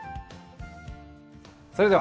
それでは。